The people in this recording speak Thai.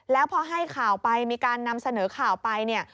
แล้วพอให้ข่าวไปมีการนำเสนอข่าวไปเนี่ย